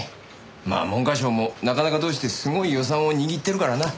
まあ文科省もなかなかどうしてすごい予算を握ってるからな。